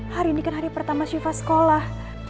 hari ini kan hari pertama syifa sekolah